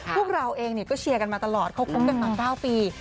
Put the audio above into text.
พวกเราเองก็เชียร์กันมาตลอดเขาคบกันมา๙ปี